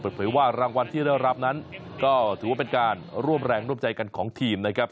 เผยว่ารางวัลที่ได้รับนั้นก็ถือว่าเป็นการร่วมแรงร่วมใจกันของทีมนะครับ